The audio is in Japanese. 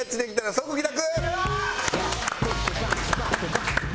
即帰宅。